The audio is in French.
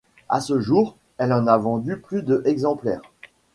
À ce jour, elle en a vendu plus de exemplaires.